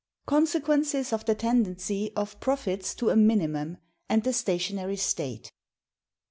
Consequences Of The Tendency Of Profits To A Minimum, And The Stationary State.